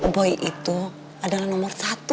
boy itu adalah nomor satu